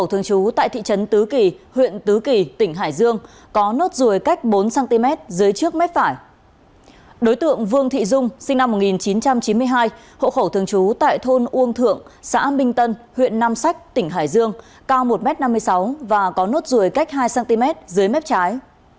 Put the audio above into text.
hộ khẩu thường trú tại thôn uông thượng xã minh tân huyện nam sách tỉnh hải dương cao một m năm mươi sáu và có nốt ruồi cách hai cm dưới mép trái